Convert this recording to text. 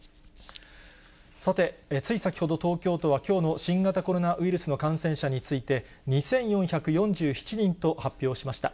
さて、つい先ほど、東京都はきょうの新型コロナウイルスの感染者について、２４４７人と発表しました。